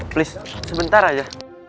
please sebentar aja